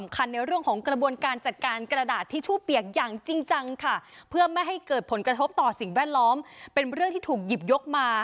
กระทบต่อสิ่งแวดล้อมเป็นเรื่องที่ถูกหยิบยกมา